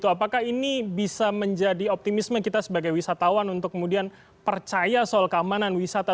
apakah ini bisa menjadi optimisme kita sebagai wisatawan untuk kemudian percaya soal keamanan wisata